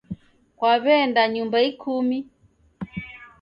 Kwaw'eenda nyumba ikumi?